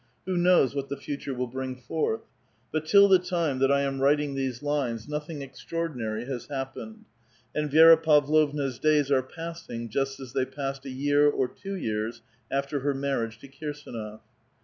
Who knows what the future will bring forth? But till the time that I am writing these lines nothing extraordinary has hap pened ; and Vi6ra Pavlovna's days are passing just as they passed a year or two years after her marriage to K^rsdnof